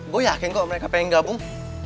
gue yakin kok mereka pengen gabung